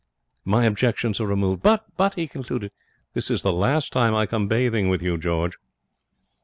My objections are removed. But,' he concluded, 'this is the last time I come bathing with you, George.'